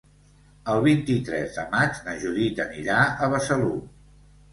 El vint-i-tres de maig na Judit anirà a Besalú.